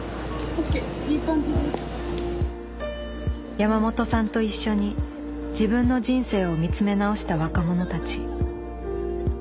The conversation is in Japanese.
山本さんと一緒に自分の人生を見つめ直した若者たち。